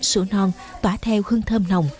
sữa non tỏa theo hương thơm nồng